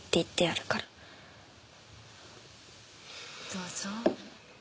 どうぞ。